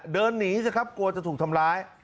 เดินหนีสิครับกลัวจะถูกทำร้าย